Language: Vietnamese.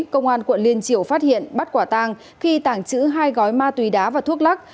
công an quận liên triều phát hiện bắt quả tang khi tảng chữ hai gói ma túy đá và thuốc lắc